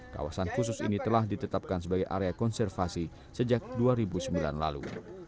kawasan khusus ini telah ditetapkan sebagai area konservasi sejak dua ribu sembilan lalu